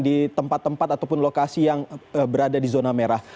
di tempat tempat ataupun lokasi yang berada di zona merah